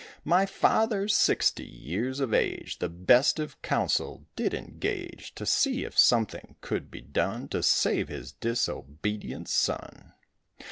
My father, sixty years of age, The best of counsel did engage, To see if something could be done To save his disobedient son.